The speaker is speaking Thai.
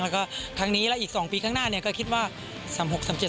แล้วก็ครั้งนี้และอีกสองปีข้างหน้าเนี่ยก็คิดว่าสามหกสามเจ็ด